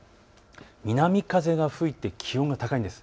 南風が吹いて気温が高いんです。